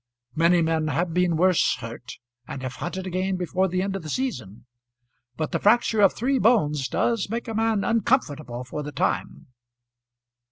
Many men have been worse hurt and have hunted again before the end of the season, but the fracture of three bones does make a man uncomfortable for the time.